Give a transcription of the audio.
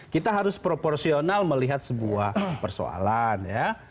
kita harus proporsional melihat sebuah persoalan ya